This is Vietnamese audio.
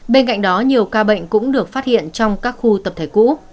bên cạnh đó nhiều ca bệnh cũng được phát hiện trong các khu tập thể cũ